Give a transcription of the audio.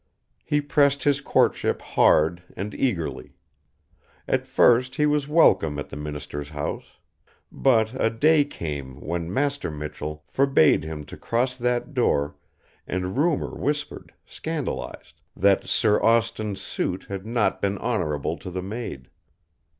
He pressed his courtship hard and eagerly. At first he was welcome at the minister's house. But a day came when Master Michell forbade him to cross that door and rumor whispered, scandalized, that Sir Austin's suit had not been honorable to the maid.